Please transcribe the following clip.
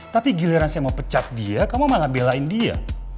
tapi giliran saya mau pecat dia kamu malah belain dia